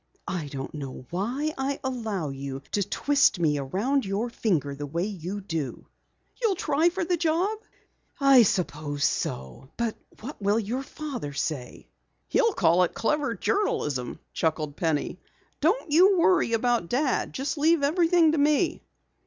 "I don't know why I allow you to twist me around your finger the way you do." "You'll try for the job?" "I suppose so. But what will your father say?" "He'll call it clever journalism," chuckled Penny. "Don't you worry about Dad. Just leave everything to me."